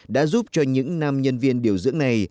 đã giúp cho những nam nhân viên điều dưỡng này